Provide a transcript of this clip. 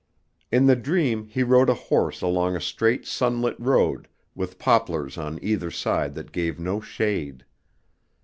In the dream he rode a horse along a straight sunlit road, with poplars on either side that gave no shade.